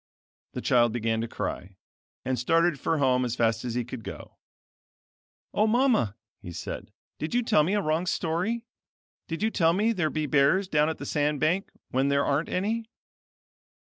The child began to cry, and started for home as fast as he could go. "O Mama!" he said, "Did you tell me a wrong story? Did you tell me there be bears down at the sand bank when there aren't any?"